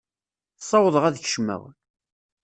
Ssawḍeɣ ad kecmeɣ.